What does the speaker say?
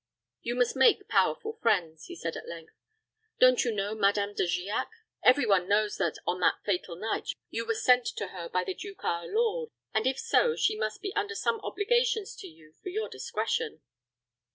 "You must make powerful friends," he said, at length. "Don't you know Madame De Giac? Every one knows that, on that fatal night, you were sent to her by the duke our lord, and, if so, she must be under some obligations to you for your discretion."